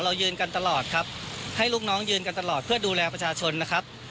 ยืนกันตลอดครับให้ลูกน้องยืนกันตลอดเพื่อดูแลประชาชนนะครับ